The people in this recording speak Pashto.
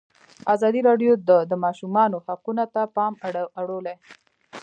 ازادي راډیو د د ماشومانو حقونه ته پام اړولی.